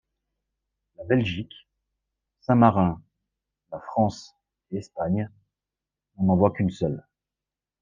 La Belgique, Saint-Marin, la France et Espagne n'en envoient qu'une seule.